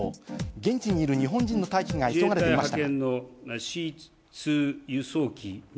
現地にいる日本人の退避が急がれていましたが。